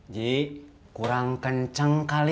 ji kurang kencang mungkin